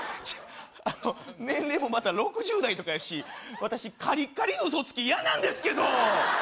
ちょっあの年齢もまた６０代とかやし私カリッカリの嘘つき嫌なんですけど！